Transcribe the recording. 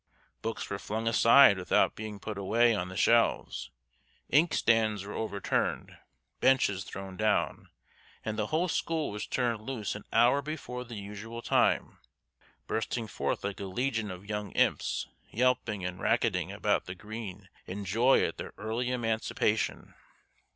Books were flung aside without being put away on the shelves, inkstands were overturned, benches thrown down, and the whole school was turned loose an hour before the usual time, bursting forth like a legion of young imps, yelping and racketing about the green in joy at their early emancipation.